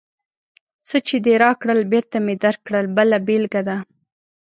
څه چې دې راکړل، بېرته مې درکړل بله بېلګه ده.